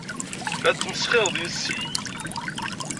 La tesmesxired yes-i.